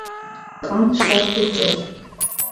Կան շատ լճեր։